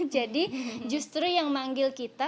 jadi justru yang manggil kita